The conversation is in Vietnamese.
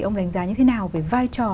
ông đánh giá như thế nào về vai trò